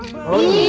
kamu gak di miah